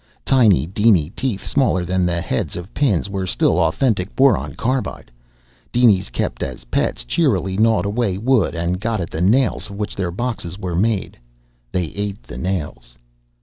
Tiny diny teeth, smaller than the heads of pins, were still authentic boron carbide. Dinies kept as pets cheerily gnawed away wood and got at the nails of which their boxes were made. They ate the nails.